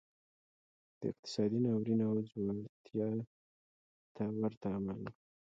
دا اقتصادي ناورین او ځوړتیا ته ورته عمل و.